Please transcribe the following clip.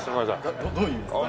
どういう意味ですか？